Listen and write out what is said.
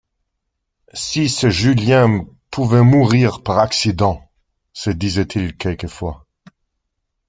Si ce Julien pouvait mourir par accident ! se disait-il quelquefois.